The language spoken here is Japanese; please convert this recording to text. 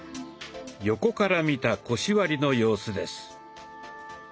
横から見た腰割りの様子です。